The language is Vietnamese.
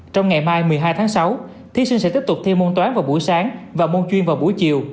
trong ngày mai một mươi hai tháng sáu thí sinh sẽ tiếp tục thi môn toán vào buổi sáng và môn chuyên vào buổi chiều